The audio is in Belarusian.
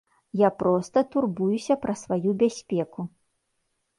Я проста турбуюся пра сваю бяспеку.